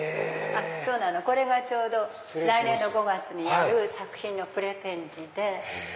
これがちょうど来年の５月にやる作品のプレ展示で。